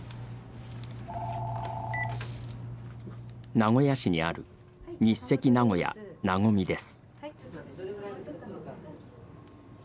名古屋市にある日赤なごやなごみです。